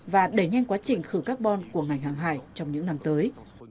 và đẩy nhanh quá trình khử carbon của ngành hàng hải trong những năm tới